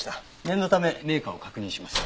念のためメーカーを確認します。